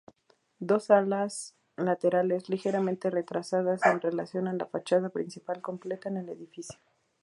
Dos alas laterales, ligeramente retrasadas en relación a la fachada principal completan el edificio.